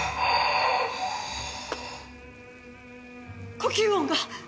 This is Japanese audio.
呼吸音が！